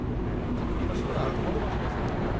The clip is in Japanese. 隔離場所じゃなくて泊まる場所ですもんね。